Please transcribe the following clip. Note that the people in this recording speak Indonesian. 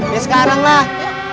ya sekarang lah